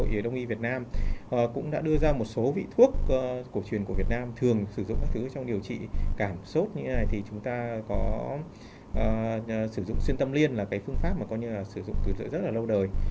và tổng hợp đông y việt nam cũng đã đưa ra một số vị thuốc cổ truyền của việt nam thường sử dụng các thứ trong điều trị cảm xúc như thế này thì chúng ta có sử dụng xuyên tâm liên là cái phương pháp mà coi như là sử dụng từ rất là lâu đời